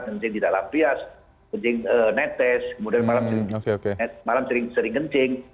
kencing tidak lampias kencing netes kemudian malam sering kencing